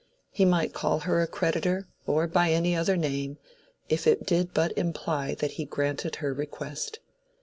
He might call her a creditor or by any other name if it did but imply that he granted her request.